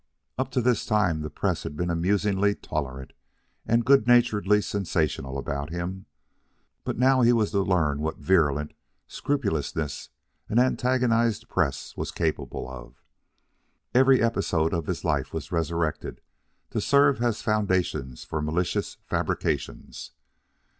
Up to this time the press had been amusingly tolerant and good naturedly sensational about him, but now he was to learn what virulent scrupulousness an antagonized press was capable of. Every episode of his life was resurrected to serve as foundations for malicious fabrications.